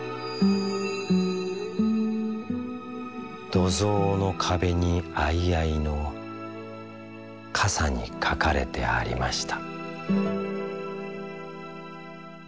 「土蔵の壁に相合の傘にかかれてありました」。